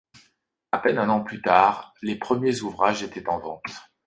À peine un an plus tard, les premiers ouvrages étaient en vente.